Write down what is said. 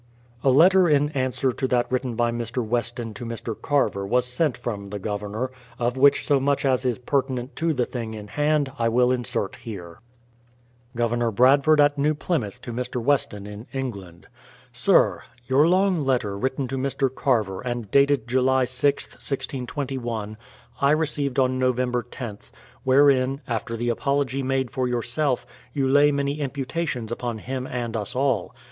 A letter in answer to that written by Mr. Weston to Mr. Carver was sent from the Governor, of which so much as is pertinent to the thing in hand I will insert here : Governor Bradford at New Plymouth to Mr. Weston in Englandl Sir, Your long letter written to Mr. Carver, and dated July 6th, 1621, I received on November loth, wherein, after the apology made for yourself, you lay many imputations upon him and us all.